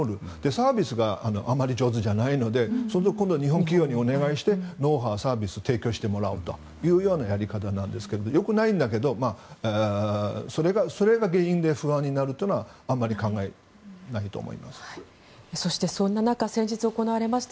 サービスがあまり上手じゃないのでそうすると今度、日本企業にお願いしてノウハウ、サービスを提供してもらうというやり方なんだけどよくないんだけどそれが原因で不安になるというのはそしてそんな中、先日行われました